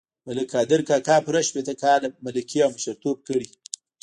ملک قادر کاکا پوره شپېته کاله ملکي او مشرتوب کړی.